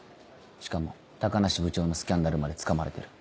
しかも高梨部長のスキャンダルまでつかまれてる。